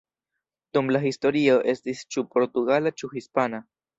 Dum la historio estis ĉu portugala ĉu hispana.